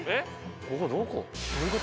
ここどこ？